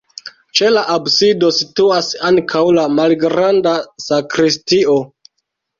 Ĉe la absido situas ankaŭ la malgranda sakristio.